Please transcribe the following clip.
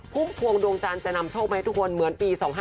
พุ่มทวงดวงจานจะนำโชคไปให้ทุกคน